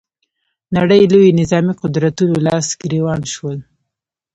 نړۍ لویو نظامي قدرتونو لاس ګرېوان شول